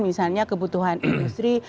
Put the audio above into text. misalnya kebutuhan industri